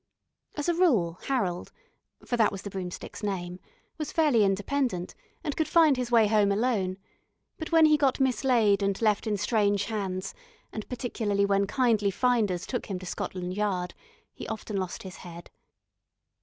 As a rule Harold for that was the broomstick's name was fairly independent, and could find his way home alone, but when he got mislaid and left in strange hands, and particularly when kindly finders took him to Scotland Yard, he often lost his head.